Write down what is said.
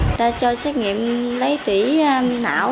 người ta cho xét nghiệm lấy tỉ não